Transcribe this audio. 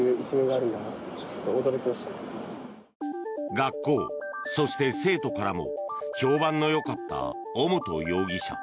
学校、そして生徒からも評判のよかった尾本容疑者。